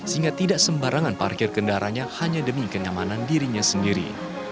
sehingga tidak sembarangan parkir kendaraannya hanya demi kenyamanan dirinya sendiri